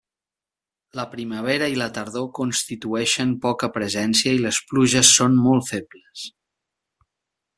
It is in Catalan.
La primavera i la tardor constitueixen poca presència i les pluges són molt febles.